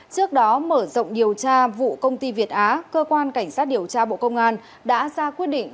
trước đó mở rộng điều tra vụ công ty việt á cơ quan cảnh sát điều tra bộ công an đã ra quyết định